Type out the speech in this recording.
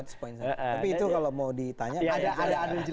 tapi itu kalau mau ditanya ada alasan